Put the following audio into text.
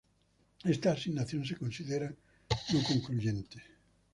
Esta asignación se considera no concluyente.